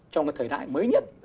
trong cái thời đại mới nhất